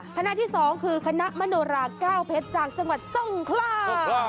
คณะที่๒คือคณะมโนราแก้วเพชรจากจังหวัดทรงคลา